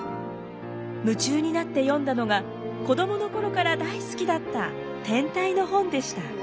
夢中になって読んだのが子供の頃から大好きだった天体の本でした。